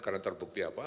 karena terbukti apa